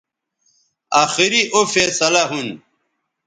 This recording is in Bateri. آخری او فیصلہ ھون